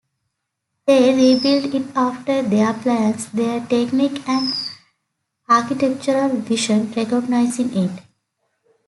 They rebuilt it after their plans, their technique and architectural vision, reorganizing it.